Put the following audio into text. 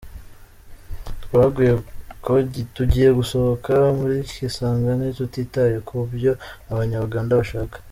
Tugiye gusohoka muri Kisangani tutitaye ku byo Abanya-Uganda bashaka.